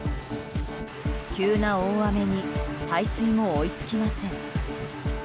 急な大雨に排水も追いつきません。